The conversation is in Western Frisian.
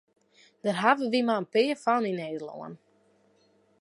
Dêr hawwe wy mar in pear fan yn Nederlân.